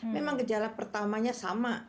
memang gejala pertamanya sama